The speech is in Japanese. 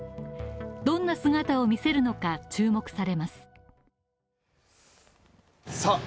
どんな姿を見せるのか注目されます。